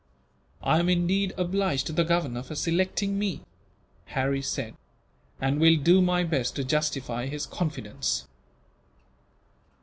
"I am indeed obliged to the Governor for selecting me," Harry said, "and will do my best to justify his confidence."